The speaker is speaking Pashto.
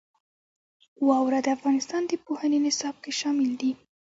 واوره د افغانستان د پوهنې نصاب کې شامل دي.